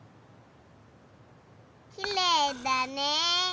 きれいだね。